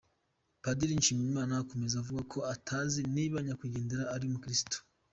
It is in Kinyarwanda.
Padiri Nshimiyimana akomeza avuga ko atazi niba nyakwigendera ari umukirisitu.